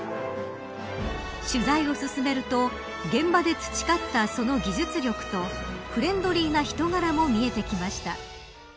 取材を進めると現場で培ったその技術力とフレンドリーな人柄も見えてきました。